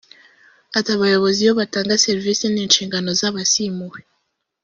Ati “ Abayobozi iyo batanga serivisi ni inshingano zabo si impuhwe